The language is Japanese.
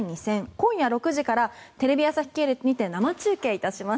今夜６時からテレビ朝日系列にて生中継致します。